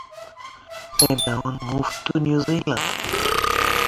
They then moved to New Zealand.